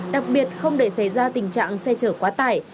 đặc biệt không để xảy ra tình trạng xe chở quá tải